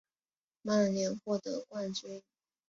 曼联获得冠军。